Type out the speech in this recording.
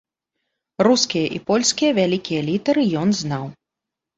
Рускія і польскія вялікія літары ён знаў.